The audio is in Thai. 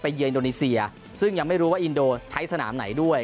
เยือนอินโดนีเซียซึ่งยังไม่รู้ว่าอินโดใช้สนามไหนด้วย